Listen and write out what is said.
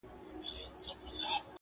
خدایه مینه د قلم ورکي په زړو کي.